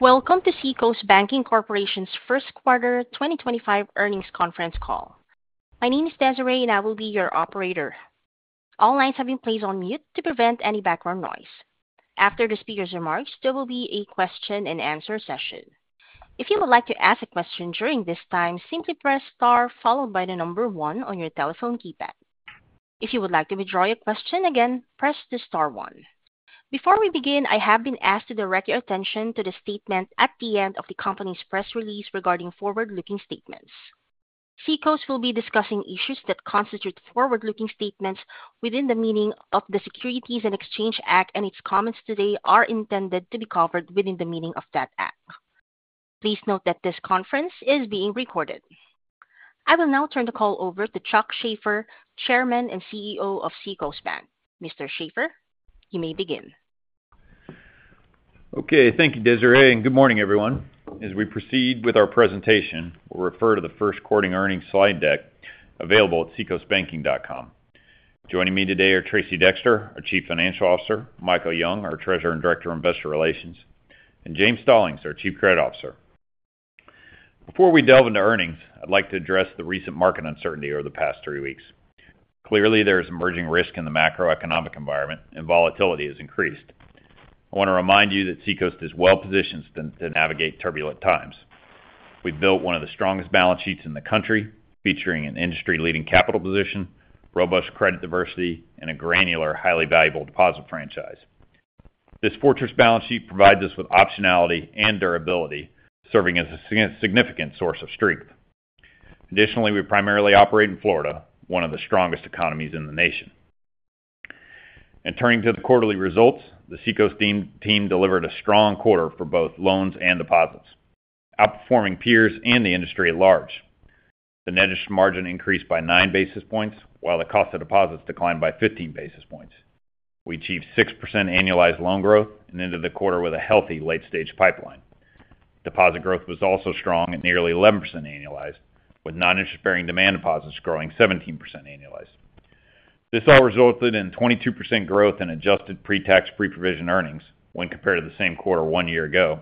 Welcome to Seacoast Banking Corporation's First Quarter 2025 Earnings Conference Call. My name is Desiree, and I will be your operator. All lines have been placed on mute to prevent any background noise. After the speaker's remarks, there will be a question-and-answer session. If you would like to ask a question during this time, simply press star followed by the number one on your telephone keypad. If you would like to withdraw your question, again, press the star one. Before we begin, I have been asked to direct your attention to the statement at the end of the company's press release regarding forward-looking statements. Seacoast will be discussing issues that constitute forward-looking statements within the meaning of the Securities and Exchange Act, and its comments today are intended to be covered within the meaning of that act. Please note that this conference is being recorded. I will now turn the call over to Chuck Shaffer, Chairman and CEO of Seacoast Bank. Mr. Shaffer, you may begin. Okay, thank you, Desiree, and good morning, everyone. As we proceed with our presentation, we'll refer to the First Quarter Earnings Slide Deck available at seacoastbanking.com. Joining me today are Tracey Dexter, our Chief Financial Officer; Michael Young, our Treasurer and Director of Investor Relations; and James Stallings, our Chief Credit Officer. Before we delve into earnings, I'd like to address the recent market uncertainty over the past three weeks. Clearly, there is emerging risk in the macroeconomic environment, and volatility has increased. I want to remind you that Seacoast is well-positioned to navigate turbulent times. We've built one of the strongest balance sheets in the country, featuring an industry-leading capital position, robust credit diversity, and a granular, highly valuable deposit franchise. This fortress balance sheet provides us with optionality and durability, serving as a significant source of strength. Additionally, we primarily operate in Florida, one of the strongest economies in the nation. Turning to the quarterly results, the Seacoast team delivered a strong quarter for both loans and deposits, outperforming peers and the industry at large. The net interest margin increased by nine basis points, while the cost of deposits declined by 15 basis points. We achieved 6% annualized loan growth at the end of the quarter with a healthy late-stage pipeline. Deposit growth was also strong at nearly 11% annualized, with non-interest-bearing demand deposits growing 17% annualized. This all resulted in 22% growth in adjusted pre-tax pre-provision earnings when compared to the same quarter one year ago,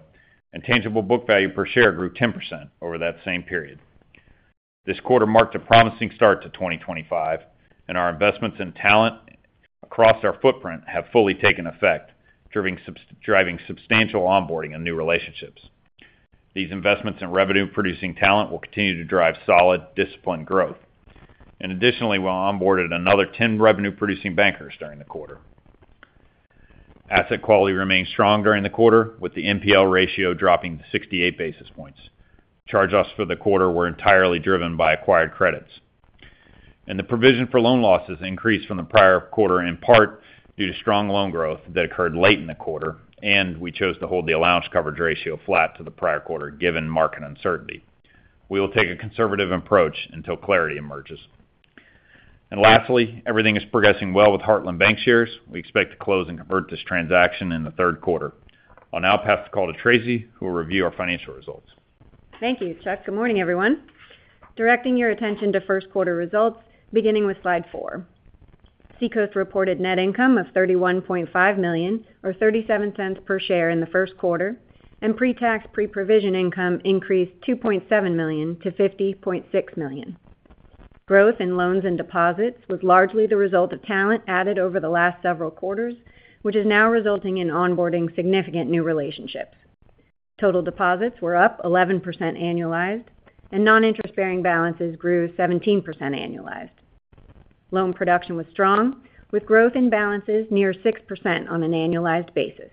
and tangible book value per share grew 10% over that same period. This quarter marked a promising start to 2025, and our investments and talent across our footprint have fully taken effect, driving substantial onboarding and new relationships. These investments in revenue-producing talent will continue to drive solid, disciplined growth. Additionally, we onboarded another 10 revenue-producing bankers during the quarter. Asset quality remained strong during the quarter, with the NPL ratio dropping to 68 basis points. Charge-offs for the quarter were entirely driven by acquired credits. The provision for loan losses increased from the prior quarter in part due to strong loan growth that occurred late in the quarter, and we chose to hold the allowance coverage ratio flat to the prior quarter given market uncertainty. We will take a conservative approach until clarity emerges. Lastly, everything is progressing well with Heartland Bancshares. We expect to close and convert this transaction in the third quarter. I'll now pass the call to Tracey, who will review our financial results. Thank you, Chuck. Good morning, everyone. Directing your attention to first quarter results, beginning with slide four. Seacoast reported net income of $31.5 million, or $0.37 per share in the first quarter, and pre-tax pre-provision income increased $2.7 million-$50.6 million. Growth in loans and deposits was largely the result of talent added over the last several quarters, which is now resulting in onboarding significant new relationships. Total deposits were up 11% annualized, and non-interest-bearing balances grew 17% annualized. Loan production was strong, with growth in balances near 6% on an annualized basis.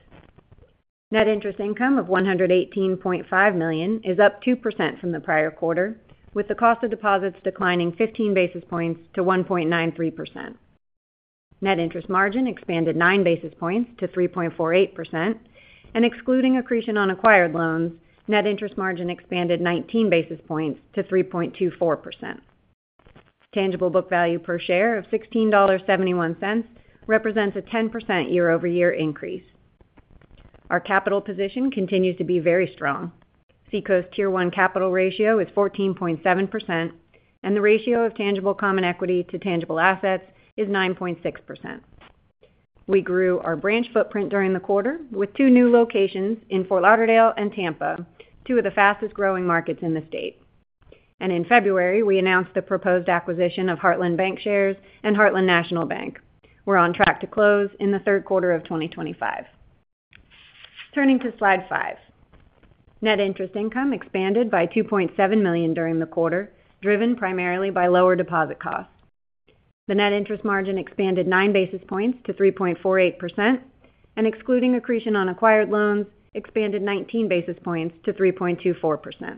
Net interest income of $118.5 million is up 2% from the prior quarter, with the cost of deposits declining 15 basis points to 1.93%. Net interest margin expanded 9 basis points to 3.48%, and excluding accretion on acquired loans, net interest margin expanded 19 basis points to 3.24%. Tangible book value per share of $16.71 represents a 10% year-over-year increase. Our capital position continues to be very strong. Seacoast's Tier 1 capital ratio is 14.7%, and the ratio of tangible common equity to tangible assets is 9.6%. We grew our branch footprint during the quarter with two new locations in Fort Lauderdale and Tampa, two of the fastest-growing markets in the state. In February, we announced the proposed acquisition of Heartland Bancshares and Heartland National Bank. We're on track to close in the third quarter of 2025. Turning to slide five, net interest income expanded by $2.7 million during the quarter, driven primarily by lower deposit costs. The net interest margin expanded 9 basis points to 3.48%, and excluding accretion on acquired loans, expanded 19 basis points to 3.24%.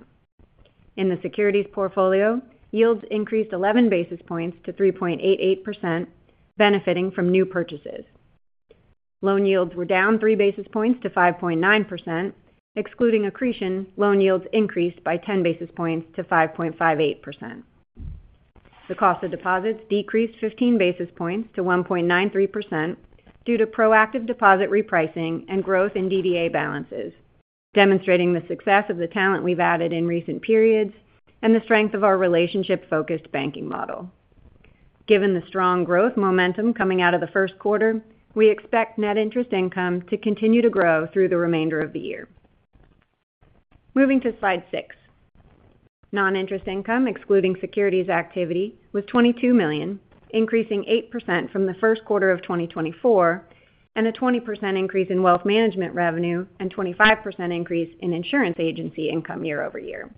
In the securities portfolio, yields increased 11 basis points to 3.88%, benefiting from new purchases. Loan yields were down 3 basis points to 5.9%. Excluding accretion, loan yields increased by 10 basis points to 5.58%. The cost of deposits decreased 15 basis points to 1.93% due to proactive deposit repricing and growth in DDA balances, demonstrating the success of the talent we've added in recent periods and the strength of our relationship-focused banking model. Given the strong growth momentum coming out of the first quarter, we expect net interest income to continue to grow through the remainder of the year. Moving to slide six, non-interest income excluding securities activity was $22 million, increasing 8% from the first quarter of 2024, and a 20% increase in wealth management revenue and a 25% increase in insurance agency income year-over-year.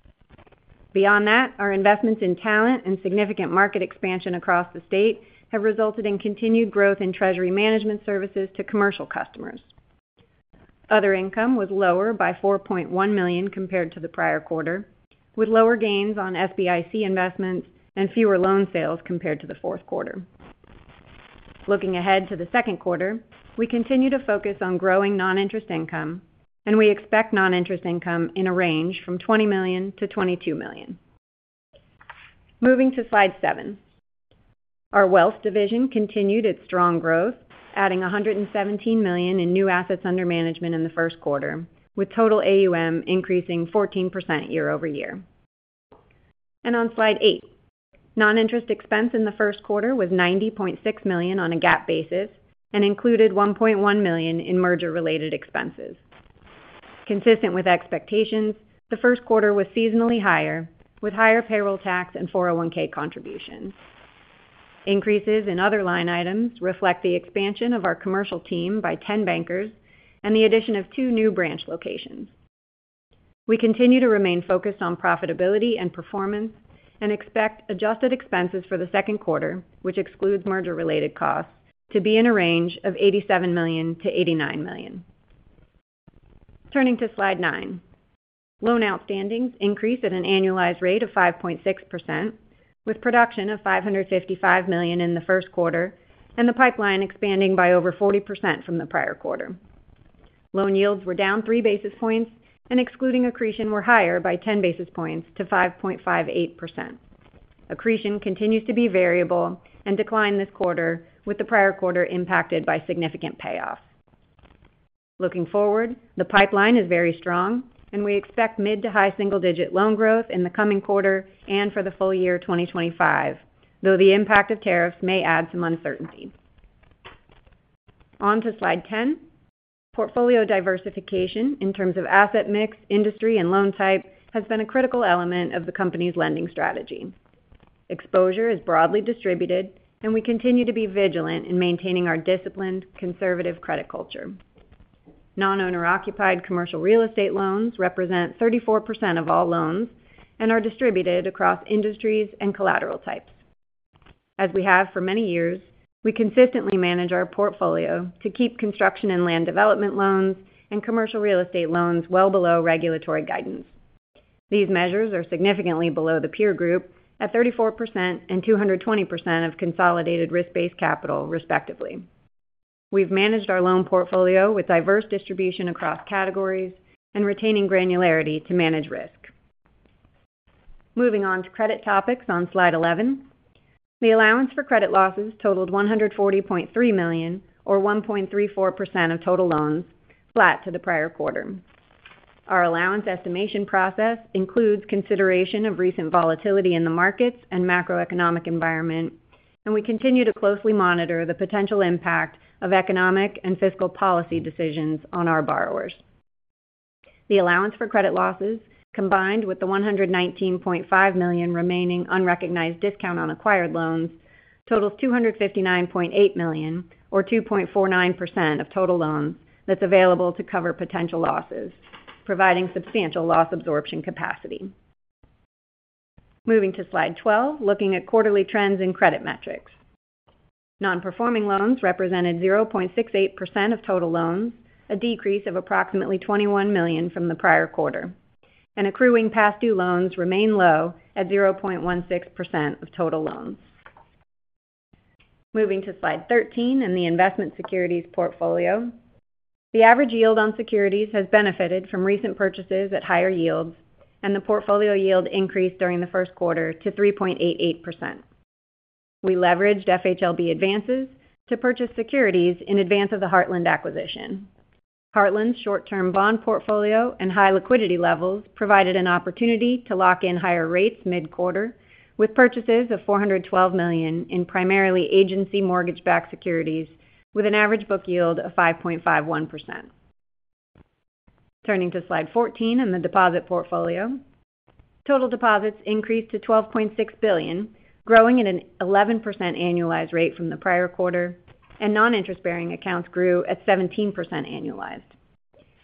Beyond that, our investments in talent and significant market expansion across the state have resulted in continued growth in treasury management services to commercial customers. Other income was lower by $4.1 million compared to the prior quarter, with lower gains on SBIC investments and fewer loan sales compared to the fourth quarter. Looking ahead to the second quarter, we continue to focus on growing non-interest income, and we expect non-interest income in a range from $20 million-$22 million. Moving to slide seven, our wealth division continued its strong growth, adding $117 million in new assets under management in the first quarter, with total AUM increasing 14% year-over-year. On slide eight, non-interest expense in the first quarter was $90.6 million on a GAAP basis and included $1.1 million in merger-related expenses. Consistent with expectations, the first quarter was seasonally higher, with higher payroll tax and 401(k) contributions. Increases in other line items reflect the expansion of our commercial team by 10 bankers and the addition of two new branch locations. We continue to remain focused on profitability and performance and expect adjusted expenses for the second quarter, which excludes merger-related costs, to be in a range of $87 million-$89 million. Turning to slide nine, loan outstandings increased at an annualized rate of 5.6%, with production of $555 million in the first quarter and the pipeline expanding by over 40% from the prior quarter. Loan yields were down 3 basis points, and excluding accretion were higher by 10 basis points to 5.58%. Accretion continues to be variable and declined this quarter, with the prior quarter impacted by significant payoffs. Looking forward, the pipeline is very strong, and we expect mid to high single-digit loan growth in the coming quarter and for the full year 2025, though the impact of tariffs may add some uncertainty. On to slide 10, portfolio diversification in terms of asset mix, industry, and loan type has been a critical element of the company's lending strategy. Exposure is broadly distributed, and we continue to be vigilant in maintaining our disciplined, conservative credit culture. Non-owner-occupied commercial real estate loans represent 34% of all loans and are distributed across industries and collateral types. As we have for many years, we consistently manage our portfolio to keep construction and land development loans and commercial real estate loans well below regulatory guidance. These measures are significantly below the peer group at 34% and 220% of consolidated risk-based capital, respectively. We've managed our loan portfolio with diverse distribution across categories and retaining granularity to manage risk. Moving on to credit topics on slide 11, the allowance for credit losses totaled $140.3 million, or 1.34% of total loans, flat to the prior quarter. Our allowance estimation process includes consideration of recent volatility in the markets and macroeconomic environment, and we continue to closely monitor the potential impact of economic and fiscal policy decisions on our borrowers. The allowance for credit losses, combined with the $119.5 million remaining unrecognized discount on acquired loans, totals $259.8 million, or 2.49% of total loans that's available to cover potential losses, providing substantial loss absorption capacity. Moving to slide 12, looking at quarterly trends in credit metrics. Non-performing loans represented 0.68% of total loans, a decrease of approximately $21 million from the prior quarter. Accruing past-due loans remain low at 0.16% of total loans. Moving to slide 13 in the investment securities portfolio, the average yield on securities has benefited from recent purchases at higher yields, and the portfolio yield increased during the first quarter to 3.88%. We leveraged FHLB advances to purchase securities in advance of the Heartland acquisition. Heartland's short-term bond portfolio and high liquidity levels provided an opportunity to lock in higher rates mid-quarter, with purchases of $412 million in primarily agency mortgage-backed securities, with an average book yield of 5.51%. Turning to slide 14 in the deposit portfolio, total deposits increased to $12.6 billion, growing at an 11% annualized rate from the prior quarter, and non-interest-bearing accounts grew at 17% annualized.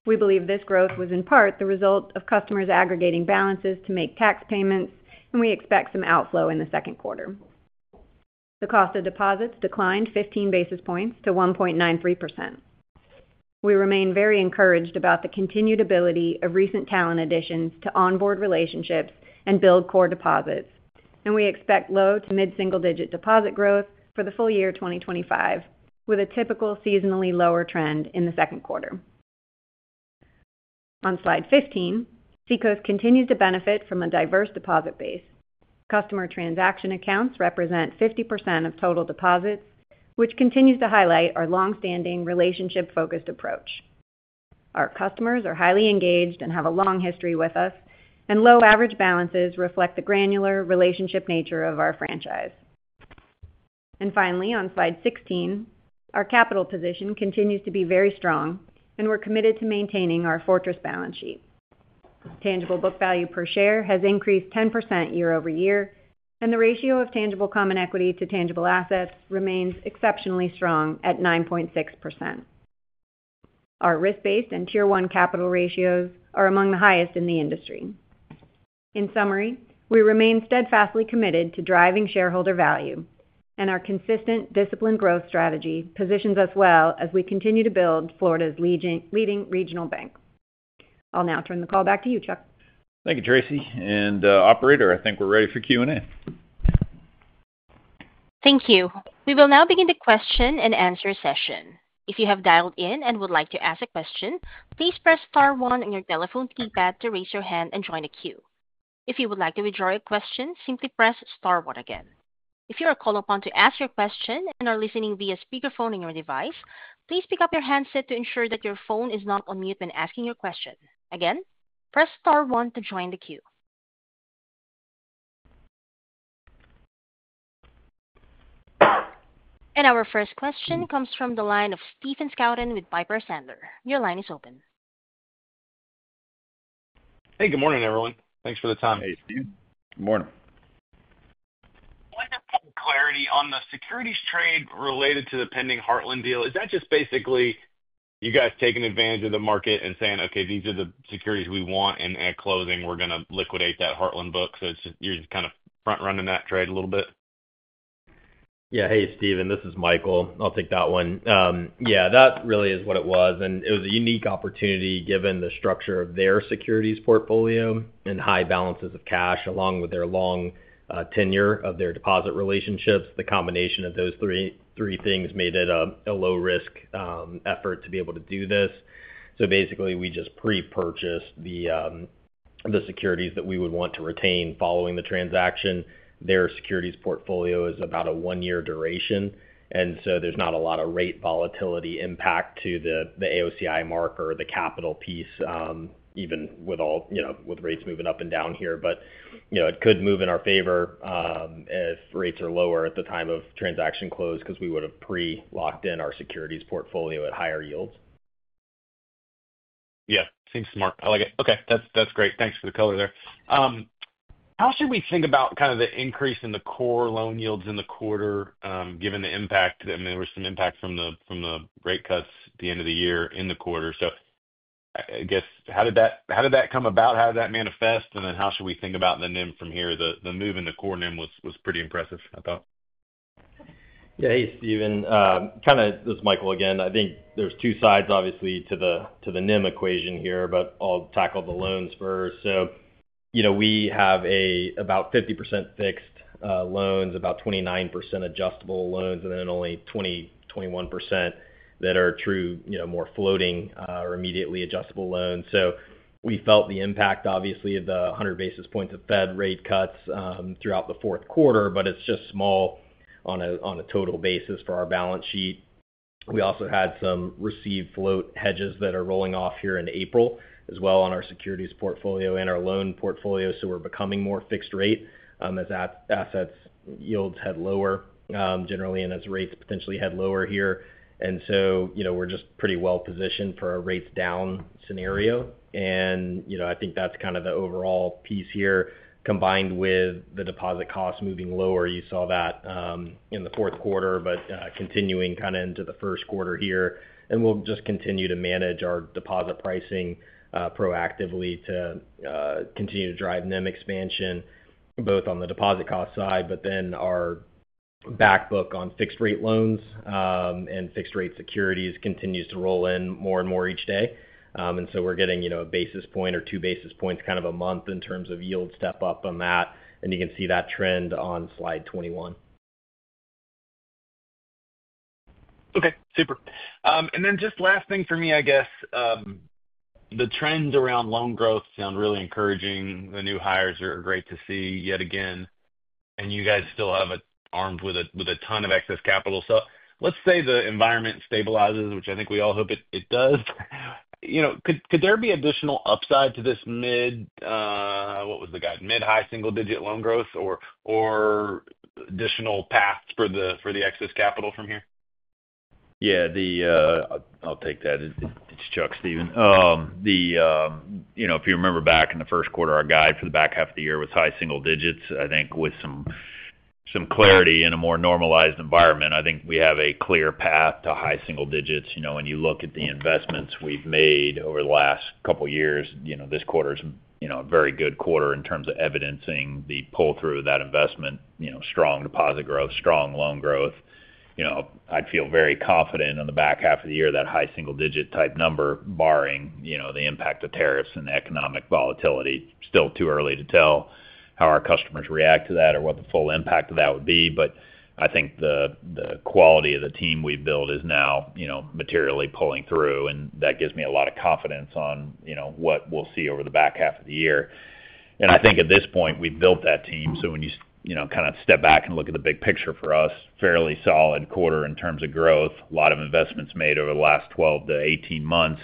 We believe this growth was in part the result of customers aggregating balances to make tax payments, and we expect some outflow in the second quarter. The cost of deposits declined 15 basis points to 1.93%. We remain very encouraged about the continued ability of recent talent additions to onboard relationships and build core deposits, and we expect low to mid-single-digit deposit growth for the full year 2025, with a typical seasonally lower trend in the second quarter. On slide 15, Seacoast continues to benefit from a diverse deposit base. Customer transaction accounts represent 50% of total deposits, which continues to highlight our long-standing relationship-focused approach. Our customers are highly engaged and have a long history with us, and low average balances reflect the granular relationship nature of our franchise. Finally, on slide 16, our capital position continues to be very strong, and we're committed to maintaining our fortress balance sheet. Tangible book value per share has increased 10% year-over-year, and the ratio of tangible common equity to tangible assets remains exceptionally strong at 9.6%. Our risk-based and Tier 1 capital ratios are among the highest in the industry. In summary, we remain steadfastly committed to driving shareholder value, and our consistent disciplined growth strategy positions us well as we continue to build Florida's leading regional bank. I'll now turn the call back to you, Chuck. Thank you, Tracey. Operator, I think we're ready for Q&A. Thank you. We will now begin the question and answer session. If you have dialed in and would like to ask a question, please press star one on your telephone keypad to raise your hand and join a queue. If you would like to withdraw your question, simply press star one again. If you are called upon to ask your question and are listening via speakerphone on your device, please pick up your handset to ensure that your phone is not on mute when asking your question. Again, press star one to join the queue. Our first question comes from the line of Stephen Scouten with Piper Sandler. Your line is open. Hey, good morning, everyone. Thanks for the time. Hey, Steve. Good morning. Wonderful clarity on the securities trade related to the pending Heartland deal. Is that just basically you guys taking advantage of the market and saying, "Okay, these are the securities we want," and at closing, we're going to liquidate that Heartland book? So you're just kind of front-running that trade a little bit? Yeah. Hey, Steven, this is Michael. I'll take that one. Yeah, that really is what it was. It was a unique opportunity given the structure of their securities portfolio and high balances of cash, along with their long tenure of their deposit relationships. The combination of those three things made it a low-risk effort to be able to do this. Basically, we just pre-purchased the securities that we would want to retain following the transaction. Their securities portfolio is about a one-year duration, and there is not a lot of rate volatility impact to the AOCI mark or the capital piece, even with rates moving up and down here. It could move in our favor if rates are lower at the time of transaction close because we would have pre-locked in our securities portfolio at higher yields. Yeah, seems smart. I like it. Okay, that's great. Thanks for the color there. How should we think about kind of the increase in the core loan yields in the quarter given the impact? I mean, there was some impact from the rate cuts at the end of the year in the quarter. I guess, how did that come about? How did that manifest? How should we think about the NIM from here? The move in the core NIM was pretty impressive, I thought. Yeah, hey, Steven. Kind of this is Michael again. I think there's two sides, obviously, to the NIM equation here, but I'll tackle the loans first. We have about 50% fixed loans, about 29% adjustable loans, and then only 20-21% that are true more floating or immediately adjustable loans. We felt the impact, obviously, of the 100 basis points of Fed rate cuts throughout the fourth quarter, but it's just small on a total basis for our balance sheet. We also had some receive-float hedges that are rolling off here in April as well on our securities portfolio and our loan portfolio. We're becoming more fixed rate as assets yields had lower generally and as rates potentially had lower here. We're just pretty well-positioned for a rates down scenario. I think that is kind of the overall piece here, combined with the deposit costs moving lower. You saw that in the fourth quarter, but continuing kind of into the first quarter here. We will just continue to manage our deposit pricing proactively to continue to drive NIM expansion, both on the deposit cost side, but then our backbook on fixed rate loans and fixed rate securities continues to roll in more and more each day. We are getting a basis point or two basis points kind of a month in terms of yield step up on that. You can see that trend on slide 21. Okay, super. Then just last thing for me, I guess, the trends around loan growth sound really encouraging. The new hires are great to see yet again. You guys still have it armed with a ton of excess capital. Let's say the environment stabilizes, which I think we all hope it does. Could there be additional upside to this mid, what was the guide, mid-high single-digit loan growth or additional path for the excess capital from here? Yeah, I'll take that. It's Chuck, Steven. If you remember back in the first quarter, our guide for the back half of the year was high single digits. I think with some clarity in a more normalized environment, I think we have a clear path to high single digits. When you look at the investments we've made over the last couple of years, this quarter is a very good quarter in terms of evidencing the pull-through of that investment, strong deposit growth, strong loan growth. I'd feel very confident in the back half of the year, that high single-digit type number, barring the impact of tariffs and economic volatility. Still too early to tell how our customers react to that or what the full impact of that would be. I think the quality of the team we've built is now materially pulling through, and that gives me a lot of confidence on what we'll see over the back half of the year. I think at this point, we've built that team. When you kind of step back and look at the big picture for us, fairly solid quarter in terms of growth, a lot of investments made over the last 12 to 18 months.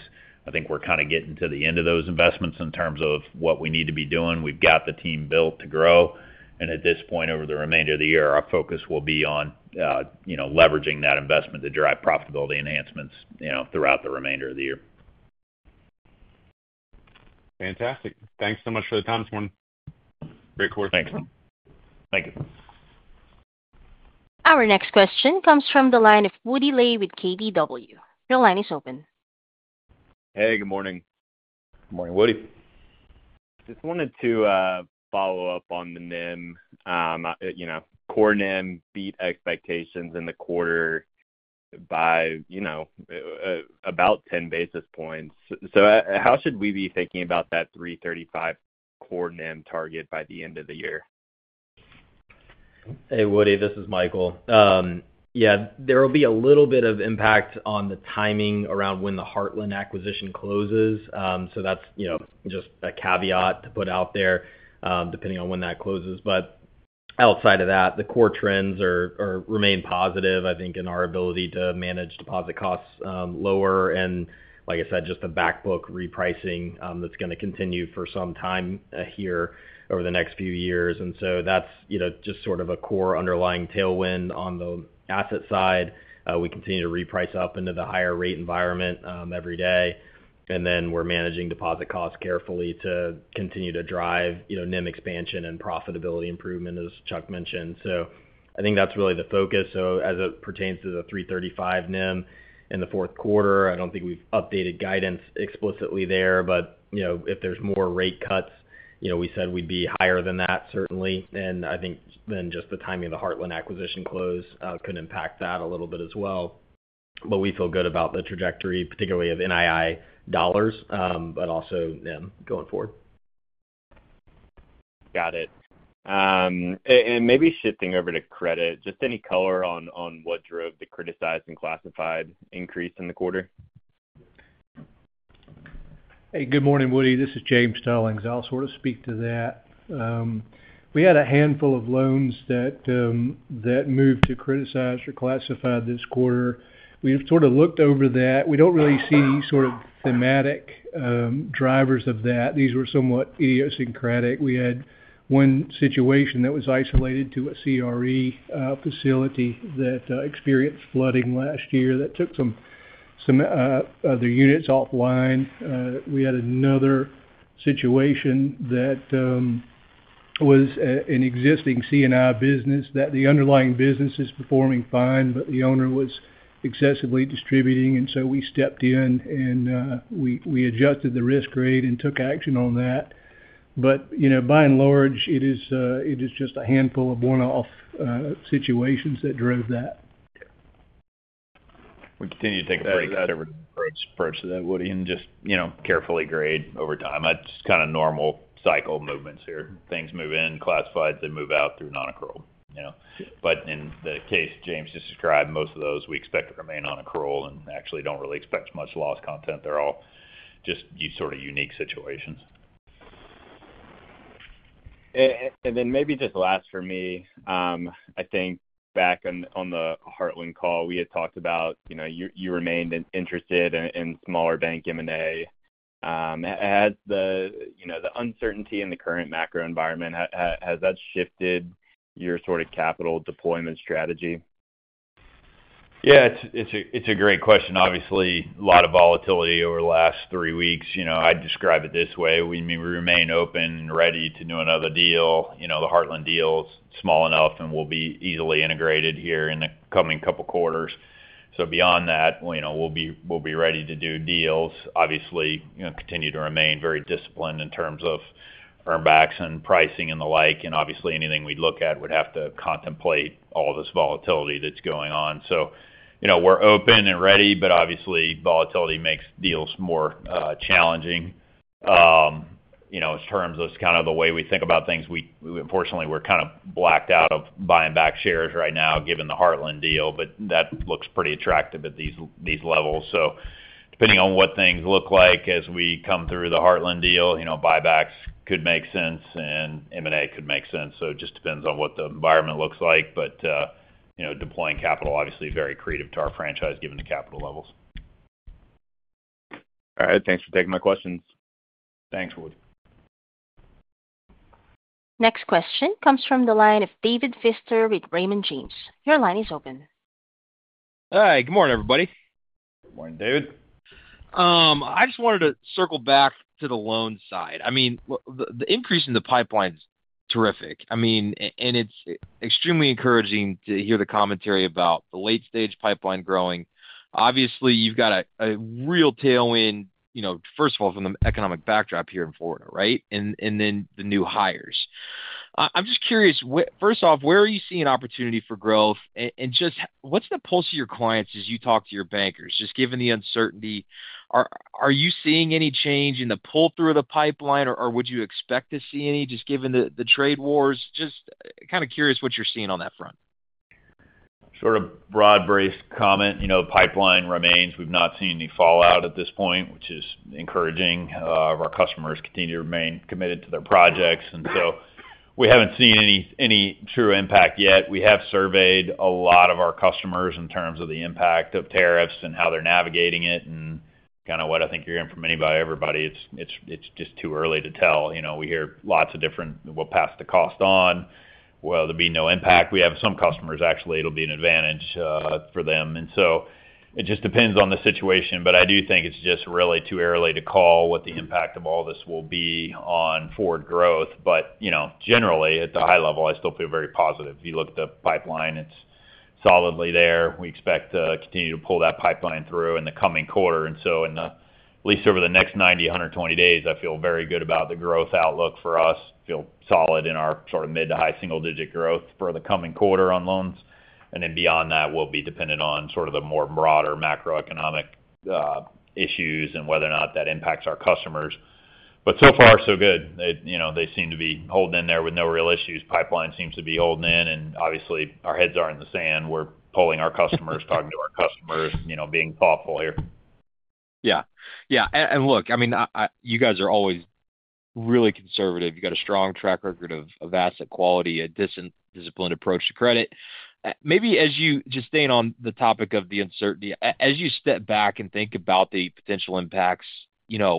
I think we're kind of getting to the end of those investments in terms of what we need to be doing. We've got the team built to grow. At this point, over the remainder of the year, our focus will be on leveraging that investment to drive profitability enhancements throughout the remainder of the year. Fantastic. Thanks so much for the time this morning. Great course. Thanks. Thank you. Our next question comes from the line of Woody Lay with KBW. Your line is open. Hey, good morning. Good morning, Woody. Just wanted to follow up on the NIM. Core NIM beat expectations in the quarter by about 10 basis points. How should we be thinking about that 335 core NIM target by the end of the year? Hey, Woody, this is Michael. Yeah, there will be a little bit of impact on the timing around when the Heartland acquisition closes. That's just a caveat to put out there depending on when that closes. Outside of that, the core trends remain positive, I think, in our ability to manage deposit costs lower. Like I said, just the backbook repricing that's going to continue for some time here over the next few years. That's just sort of a core underlying tailwind on the asset side. We continue to reprice up into the higher rate environment every day. We are managing deposit costs carefully to continue to drive NIM expansion and profitability improvement, as Chuck mentioned. I think that's really the focus. As it pertains to the 335 NIM in the fourth quarter, I don't think we've updated guidance explicitly there. If there are more rate cuts, we said we would be higher than that, certainly. I think the timing of the Heartland acquisition close could impact that a little bit as well. We feel good about the trajectory, particularly of NII dollars, but also NIM going forward. Got it. Maybe shifting over to credit, just any color on what drove the criticized and classified increase in the quarter? Hey, good morning, Woody. This is James Stallings. I'll sort of speak to that. We had a handful of loans that moved to criticized or classified this quarter. We've sort of looked over that. We do not really see any sort of thematic drivers of that. These were somewhat idiosyncratic. We had one situation that was isolated to a CRE facility that experienced flooding last year that took some of their units offline. We had another situation that was an existing C&I business that the underlying business is performing fine, but the owner was excessively distributing. We stepped in and we adjusted the risk grade and took action on that. By and large, it is just a handful of one-off situations that drove that. We continue to take a break approach to that, Woody, and just carefully grade over time. That is kind of normal cycle movements here. Things move in, classifieds, they move out through non-accrual. In the case James just described, most of those we expect to remain on accrual and actually do not really expect much loss content. They are all just sort of unique situations. Maybe just last for me, I think back on the Heartland call, we had talked about you remained interested in smaller bank M&A. Has the uncertainty in the current macro environment, has that shifted your sort of capital deployment strategy? Yeah, it's a great question. Obviously, a lot of volatility over the last three weeks. I'd describe it this way. We remain open and ready to do another deal. The Heartland deal is small enough and will be easily integrated here in the coming couple of quarters. Beyond that, we'll be ready to do deals. Obviously, continue to remain very disciplined in terms of earnings and pricing and the like. Obviously, anything we'd look at would have to contemplate all this volatility that's going on. We're open and ready, but obviously, volatility makes deals more challenging in terms of kind of the way we think about things. Unfortunately, we're kind of blacked out of buying back shares right now given the Heartland deal, but that looks pretty attractive at these levels. Depending on what things look like as we come through the Heartland deal, buybacks could make sense and M&A could make sense. It just depends on what the environment looks like. Deploying capital, obviously, is very accretive to our franchise given the capital levels. All right. Thanks for taking my questions. Thanks, Woody. Next question comes from the line of David Feaster with Raymond James. Your line is open. Hi, good morning, everybody. Good morning, David. I just wanted to circle back to the loan side. I mean, the increase in the pipeline is terrific. I mean, and it's extremely encouraging to hear the commentary about the late-stage pipeline growing. Obviously, you've got a real tailwind, first of all, from the economic backdrop here in Florida, right? Then the new hires. I'm just curious, first off, where are you seeing opportunity for growth, and just what's the pulse of your clients as you talk to your bankers? Just given the uncertainty, are you seeing any change in the pull-through of the pipeline, or would you expect to see any just given the trade wars? Just kind of curious what you're seeing on that front. Sort of broad-based comment. The pipeline remains. We've not seen any fallout at this point, which is encouraging. Our customers continue to remain committed to their projects. We haven't seen any true impact yet. We have surveyed a lot of our customers in terms of the impact of tariffs and how they're navigating it. Kind of what I think you're hearing from everybody, it's just too early to tell. We hear lots of different, we'll pass the cost on. There will be no impact. We have some customers, actually, it'll be an advantage for them. It just depends on the situation. I do think it's just really too early to call what the impact of all this will be on forward growth. Generally, at the high level, I still feel very positive. If you look at the pipeline, it's solidly there. We expect to continue to pull that pipeline through in the coming quarter. In at least over the next 90-120 days, I feel very good about the growth outlook for us. I feel solid in our sort of mid to high single-digit growth for the coming quarter on loans. Beyond that, we'll be dependent on sort of the more broader macroeconomic issues and whether or not that impacts our customers. So far, so good. They seem to be holding in there with no real issues. Pipeline seems to be holding in. Obviously, our heads are in the sand. We're pulling our customers, talking to our customers, being thoughtful here. Yeah. Yeah. Look, I mean, you guys are always really conservative. You've got a strong track record of asset quality, a disciplined approach to credit. Maybe as you just staying on the topic of the uncertainty, as you step back and think about the potential impacts, I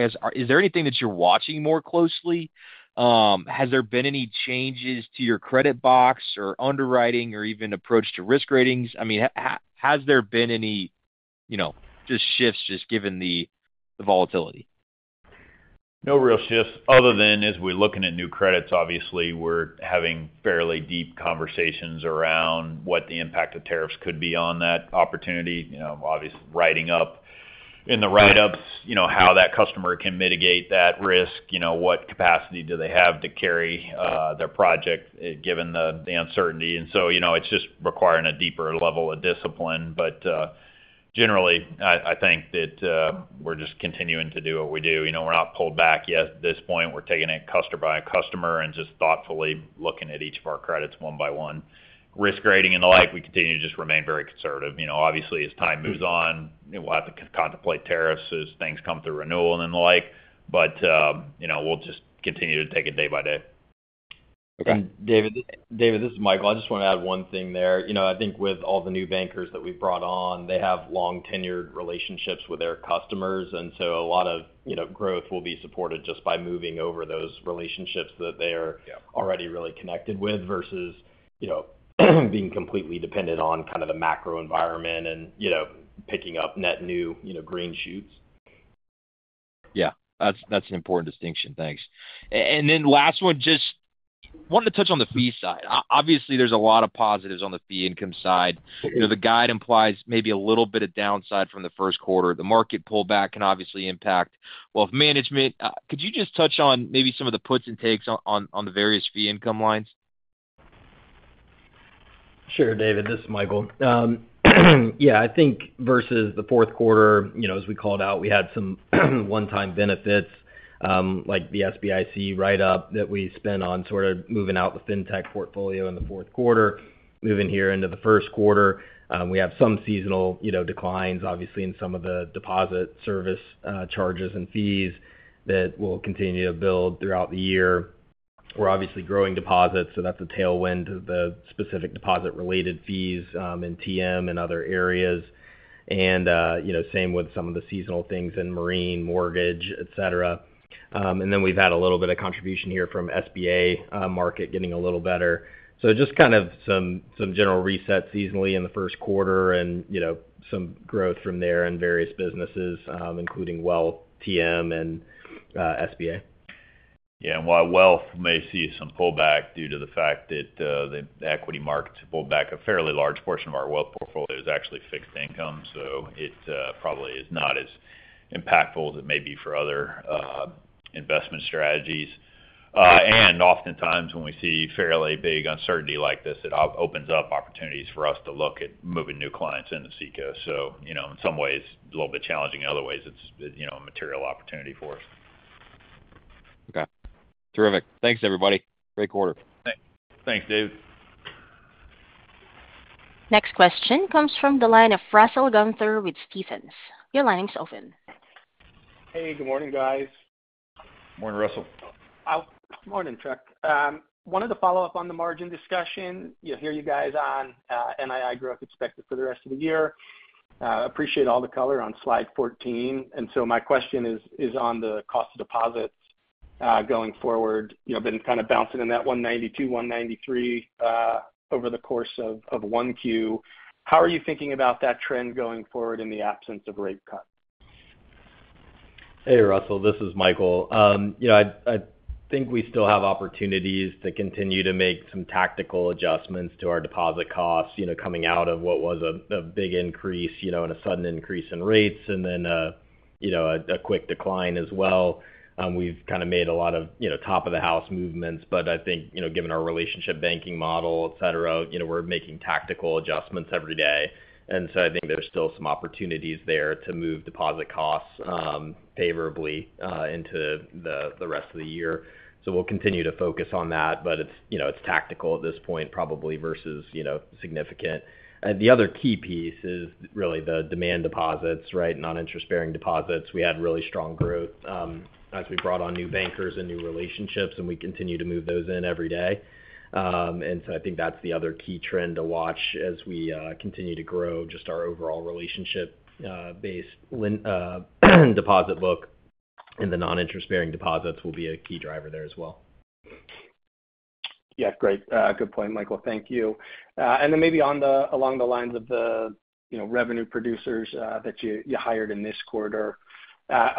guess, is there anything that you're watching more closely? Has there been any changes to your credit box or underwriting or even approach to risk ratings? I mean, has there been any just shifts just given the volatility? No real shifts other than as we're looking at new credits, obviously, we're having fairly deep conversations around what the impact of tariffs could be on that opportunity. Obviously, writing up in the write-ups how that customer can mitigate that risk, what capacity do they have to carry their project given the uncertainty. It is just requiring a deeper level of discipline. Generally, I think that we're just continuing to do what we do. We're not pulled back yet at this point. We're taking it customer by customer and just thoughtfully looking at each of our credits one by one. Risk rating and the like, we continue to just remain very conservative. Obviously, as time moves on, we'll have to contemplate tariffs as things come through renewal and the like. We will just continue to take it day by day. Okay. David, this is Michael. I just want to add one thing there. I think with all the new bankers that we've brought on, they have long-tenured relationships with their customers. A lot of growth will be supported just by moving over those relationships that they are already really connected with versus being completely dependent on kind of the macro environment and picking up net new green shoots. Yeah. That's an important distinction. Thanks. Last one, just wanted to touch on the fee side. Obviously, there's a lot of positives on the fee income side. The guide implies maybe a little bit of downside from the first quarter. The market pullback can obviously impact wealth management. Could you just touch on maybe some of the puts and takes on the various fee income lines? Sure, David. This is Michael. Yeah, I think versus the fourth quarter, as we called out, we had some one-time benefits like the SBIC write-up that we spent on sort of moving out the fintech portfolio in the fourth quarter, moving here into the first quarter. We have some seasonal declines, obviously, in some of the deposit service charges and fees that will continue to build throughout the year. We're obviously growing deposits, so that's a tailwind to the specific deposit-related fees in TM and other areas. Same with some of the seasonal things in marine, mortgage, etc. We have had a little bit of contribution here from SBA market getting a little better. Just kind of some general reset seasonally in the first quarter and some growth from there in various businesses, including wealth, TM, and SBA. Yeah. While wealth may see some pullback due to the fact that the equity markets have pulled back, a fairly large portion of our wealth portfolio is actually fixed income. It probably is not as impactful as it may be for other investment strategies. Oftentimes, when we see fairly big uncertainty like this, it opens up opportunities for us to look at moving new clients into Seacoast. In some ways, a little bit challenging. In other ways, it is a material opportunity for us. Okay. Terrific. Thanks, everybody. Great quarter. Thanks, David. Next question comes from the line of Russell Gunther with Stephens. Your line is open. Hey, good morning, guys. Morning, Russell. Morning, Chuck. Wanted to follow up on the margin discussion. Hear you guys on NII growth expected for the rest of the year. Appreciate all the color on slide 14. My question is on the cost of deposits going forward. Been kind of bouncing in that 192-193 over the course of 1Q. How are you thinking about that trend going forward in the absence of rate cuts? Hey, Russell. This is Michael. I think we still have opportunities to continue to make some tactical adjustments to our deposit costs coming out of what was a big increase and a sudden increase in rates and then a quick decline as well. We've kind of made a lot of top-of-the-house movements, but I think given our relationship banking model, etc., we're making tactical adjustments every day. I think there's still some opportunities there to move deposit costs favorably into the rest of the year. We'll continue to focus on that, but it's tactical at this point, probably versus significant. The other key piece is really the demand deposits, right? Non-interest-bearing deposits. We had really strong growth as we brought on new bankers and new relationships, and we continue to move those in every day. I think that's the other key trend to watch as we continue to grow just our overall relationship-based deposit book, and the non-interest-bearing deposits will be a key driver there as well. Yeah. Great. Good point, Michael. Thank you. Maybe along the lines of the revenue producers that you hired in this quarter,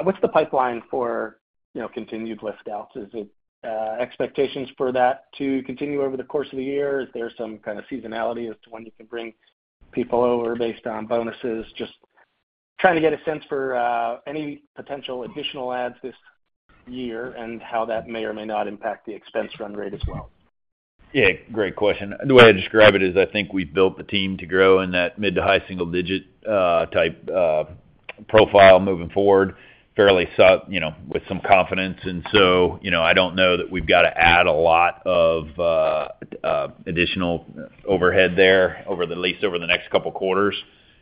what's the pipeline for continued liftouts? Is it expectations for that to continue over the course of the year? Is there some kind of seasonality as to when you can bring people over based on bonuses? Just trying to get a sense for any potential additional ads this year and how that may or may not impact the expense run rate as well. Yeah. Great question. The way I describe it is I think we've built the team to grow in that mid to high single-digit type profile moving forward fairly with some confidence. I don't know that we've got to add a lot of additional overhead there, at least over the next couple of quarters.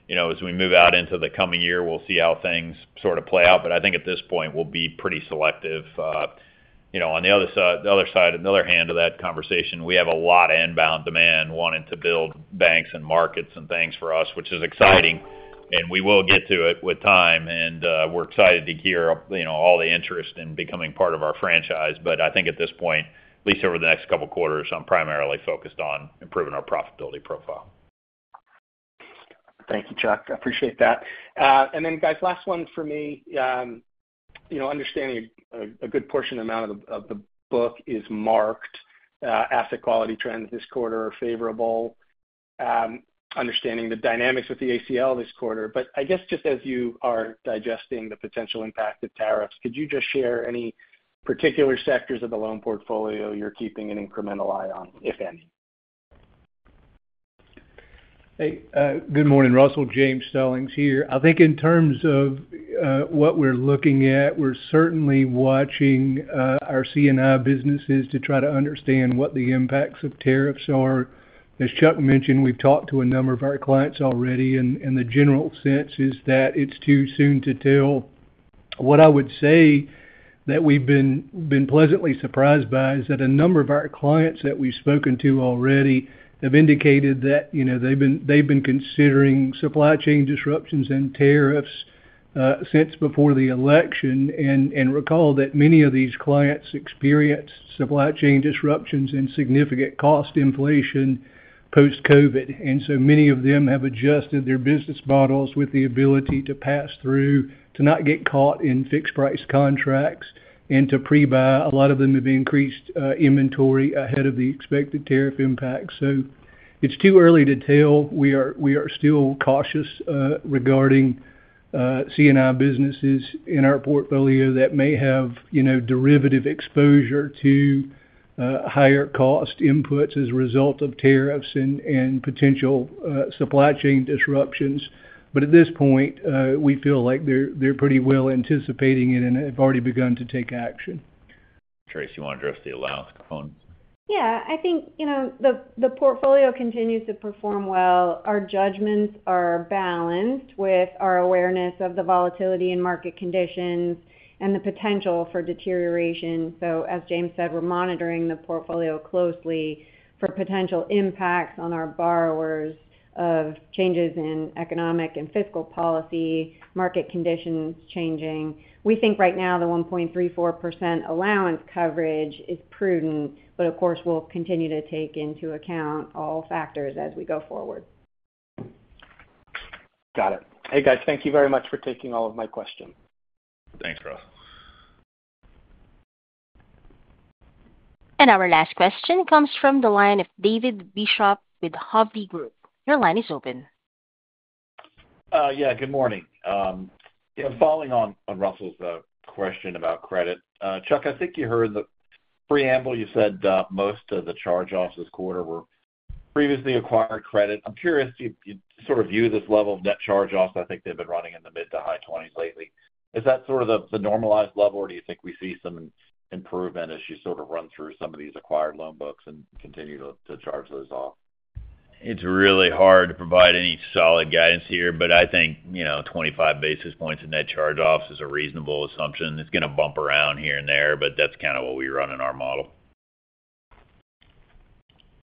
As we move out into the coming year, we'll see how things sort of play out. I think at this point, we'll be pretty selective. On the other side, on the other hand of that conversation, we have a lot of inbound demand wanting to build banks and markets and things for us, which is exciting. We will get to it with time. We're excited to hear all the interest in becoming part of our franchise. I think at this point, at least over the next couple of quarters, I'm primarily focused on improving our profitability profile. Thank you, Chuck. I appreciate that. Guys, last one for me. Understanding a good portion of the book is marked, asset quality trends this quarter are favorable. Understanding the dynamics with the ACL this quarter. I guess just as you are digesting the potential impact of tariffs, could you just share any particular sectors of the loan portfolio you're keeping an incremental eye on, if any? Hey. Good morning, Russell. James Stallings here. I think in terms of what we're looking at, we're certainly watching our C&I businesses to try to understand what the impacts of tariffs are. As Chuck mentioned, we've talked to a number of our clients already. The general sense is that it's too soon to tell. What I would say that we've been pleasantly surprised by is that a number of our clients that we've spoken to already have indicated that they've been considering supply chain disruptions and tariffs since before the election. Recall that many of these clients experienced supply chain disruptions and significant cost inflation post-COVID. Many of them have adjusted their business models with the ability to pass through, to not get caught in fixed-price contracts, and to pre-buy. A lot of them have increased inventory ahead of the expected tariff impact. It is too early to tell. We are still cautious regarding C&I businesses in our portfolio that may have derivative exposure to higher cost inputs as a result of tariffs and potential supply chain disruptions. At this point, we feel like they are pretty well anticipating it and have already begun to take action. Tracey, you want to address the allowance front? Yeah. I think the portfolio continues to perform well. Our judgments are balanced with our awareness of the volatility in market conditions and the potential for deterioration. As James said, we're monitoring the portfolio closely for potential impacts on our borrowers of changes in economic and fiscal policy, market conditions changing. We think right now the 1.34% allowance coverage is prudent, but of course, we'll continue to take into account all factors as we go forward. Got it. Hey, guys. Thank you very much for taking all of my questions. Thanks, Russ. Our last question comes from the line of David Bishop with Hovde Group. Your line is open. Yeah. Good morning. Following on Russell's question about credit, Chuck, I think you heard the preamble. You said most of the charge-offs this quarter were previously acquired credit. I'm curious if you sort of view this level of net charge-offs. I think they've been running in the mid to high 20s lately. Is that sort of the normalized level, or do you think we see some improvement as you sort of run through some of these acquired loan books and continue to charge those off? It's really hard to provide any solid guidance here, but I think 25 basis points in net charge-offs is a reasonable assumption. It's going to bump around here and there, but that's kind of what we run in our model.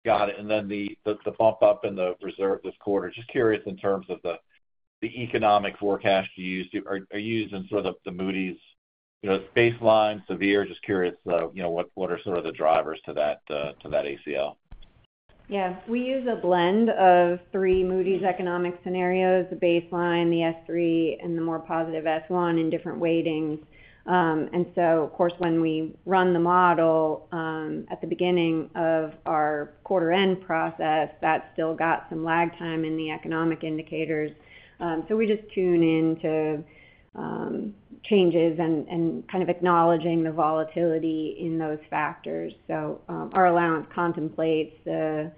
Got it. The bump up in the reserve this quarter, just curious in terms of the economic forecast you use. Are you using sort of the Moody's baseline, severe? Just curious what are sort of the drivers to that ACL? Yeah. We use a blend of three Moody's economic scenarios: the baseline, the S3, and the more positive S1 in different weightings. Of course, when we run the model at the beginning of our quarter-end process, that still got some lag time in the economic indicators. We just tune into changes and kind of acknowledging the volatility in those factors. Our allowance contemplates the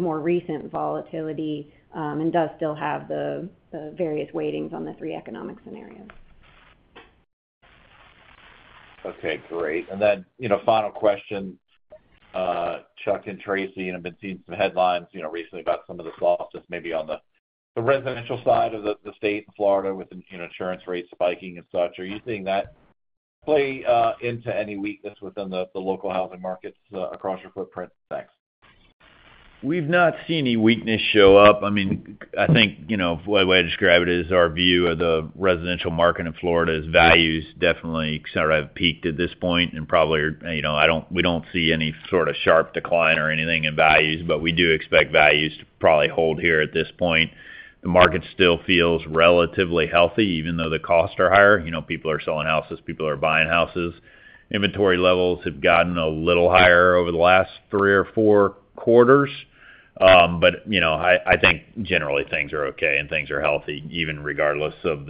more recent volatility and does still have the various weightings on the three economic scenarios. Okay. Great. Final question, Chuck and Tracey. I've been seeing some headlines recently about some of the softness maybe on the residential side of the state in Florida with insurance rates spiking and such. Are you seeing that play into any weakness within the local housing markets across your footprint? Thanks. We've not seen any weakness show up. I mean, I think the way I describe it is our view of the residential market in Florida's values definitely sort of have peaked at this point. We don't see any sort of sharp decline or anything in values, but we do expect values to probably hold here at this point. The market still feels relatively healthy even though the costs are higher. People are selling houses. People are buying houses. Inventory levels have gotten a little higher over the last three or four quarters. I think generally things are okay and things are healthy even regardless of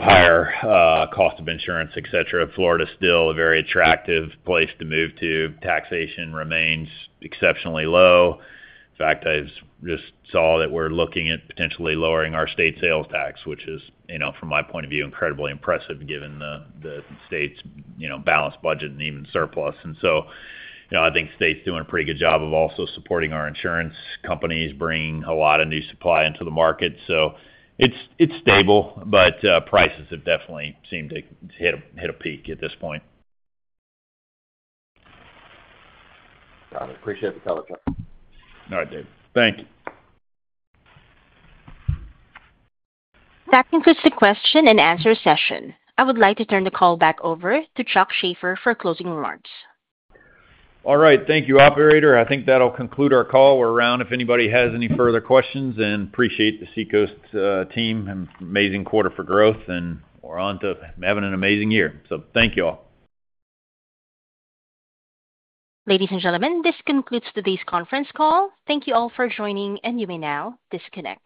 higher cost of insurance, etc. Florida is still a very attractive place to move to. Taxation remains exceptionally low. In fact, I just saw that we're looking at potentially lowering our state sales tax, which is, from my point of view, incredibly impressive given the state's balanced budget and even surplus. I think the state's doing a pretty good job of also supporting our insurance companies, bringing a lot of new supply into the market. It is stable, but prices have definitely seemed to hit a peak at this point. Got it. Appreciate the color, Chuck. All right, David. Thank you. That concludes the question and answer session. I would like to turn the call back over to Chuck Shaffer for closing remarks. All right. Thank you, operator. I think that'll conclude our call. We're around if anybody has any further questions. I appreciate the Seacoast team and amazing quarter for growth. We're on to having an amazing year. Thank you all. Ladies and gentlemen, this concludes today's conference call. Thank you all for joining, and you may now disconnect.